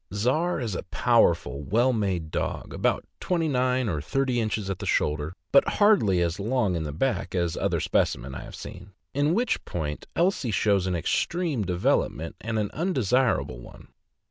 Czar is a powerful, well made dog, about twenty nine or thirty inches at the shoulder, but hardly as long in back as other specimens I have seen; in which point Elsie shows an extreme development, and an undesir able one.